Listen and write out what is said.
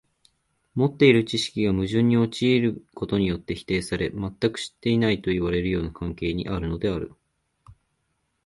持っている知識が矛盾に陥ることによって否定され、全く知っていないといわれるような関係にあるのである。